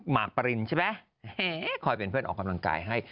มากปรินใช่ไหมคอยเป็นเพื่อนออกกำลังกายให้